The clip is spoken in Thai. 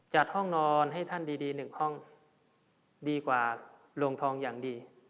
จัดห้องนอนให้ท่านดีหนึ่งห้องดีกว่าโรงทองอย่างดี